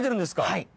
はい。